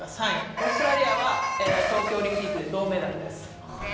オーストラリアは東京オリンピックで銅メダル。